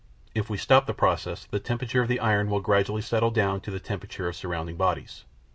If we stop the process the temperature of the iron will gradually settle down to the temperature of surrounding bodies.